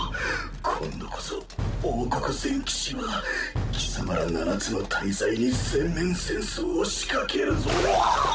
今度こそ王国全騎士は貴様ら七つの大罪に全面戦争を仕掛けるぞぐおっ！